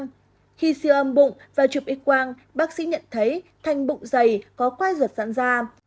khi siêu âm bụng và chụp x quang bác sĩ nhận thấy thanh bụng dày có khoai ruột dãn ra